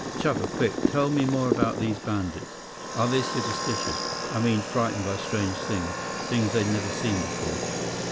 "Chuba, quick! Tell me more about these bandits. Are they superstitious? I mean, frightened by strange things, things they've never seen before?"